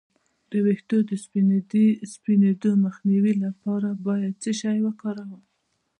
د ویښتو د سپینیدو مخنیوي لپاره باید څه شی وکاروم؟